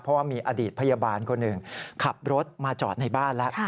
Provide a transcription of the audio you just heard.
เพราะว่ามีอดีตพยาบาลคนหนึ่งขับรถมาจอดในบ้านแล้ว